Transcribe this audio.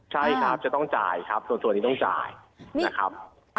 ใช่ครับจะต้องจ่ายครับส่วนนี้ต้องจ่ายนะครับ